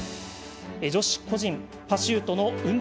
女子個人パシュートの運動